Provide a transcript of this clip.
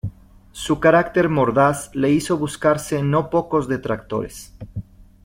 Su carácter mordaz le hizo buscarse no pocos detractores.